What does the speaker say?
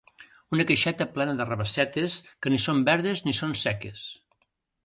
Una caixeta plena de rabassetes que ni són verdes ni són seques.